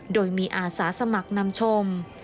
โดยมีอาสาสมัครนำชม